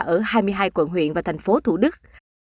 ở hai mươi hai quận huyện và thành phố thủ đức